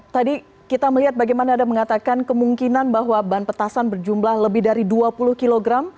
tadi kita melihat bagaimana anda mengatakan kemungkinan bahwa ban petasan berjumlah lebih dari dua puluh kilogram